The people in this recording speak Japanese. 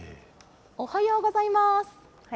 おはようございます。